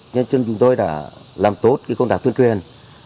nhưng chúng tôi đã làm tốt công tác tuyên truyền